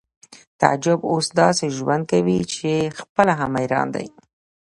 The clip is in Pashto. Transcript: تعجب اوس داسې ژوند کوي چې خپله هم حیران دی